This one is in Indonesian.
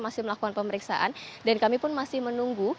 masih melakukan pemeriksaan dan kami pun masih menunggu